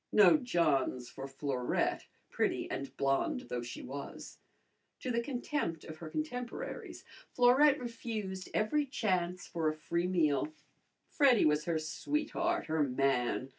No Johns for Florette, pretty and blonde though she was. To the contempt of her contemporaries Florette refused every chance for a free meal. Freddy was her sweetheart, her man.